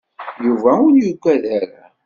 Yuba ur yuggad ara.